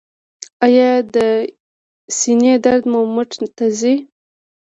ایا د سینې درد مو مټ ته ځي؟